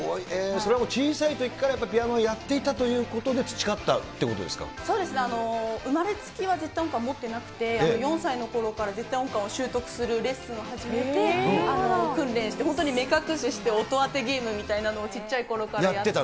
それはもう小さいときから、やっぱりピアノやってたということで、培ったということそうですね、生まれつきは絶対音感持ってなくて、４歳のころから絶対音感を習得するレッスンを始めて、訓練して、本当に目隠しして、音当てゲームみたいなのをちっちゃいころからやって。